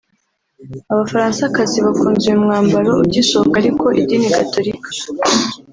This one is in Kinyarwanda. Abafaransakazi bakunze uyu mwambaro ugisohoka ariko idini Gatolika